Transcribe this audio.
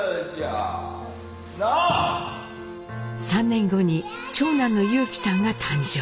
３年後に長男の裕基さんが誕生。